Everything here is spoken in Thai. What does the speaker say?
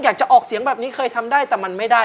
อยากจะออกเสียงแบบนี้เคยทำได้แต่มันไม่ได้